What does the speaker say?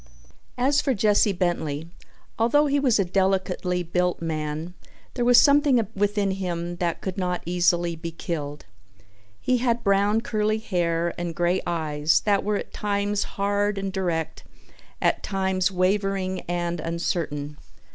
As for Jesse Bentley—although he was a delicately built man there was something within him that could not easily be killed. He had brown curly hair and grey eyes that were at times hard and direct, at times wavering and uncertain.